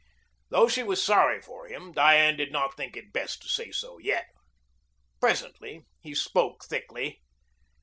Though she was sorry for him, Diane did not think it best to say so yet. Presently he spoke thickly.